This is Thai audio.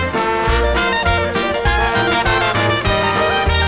โปรดติดตามต่อไป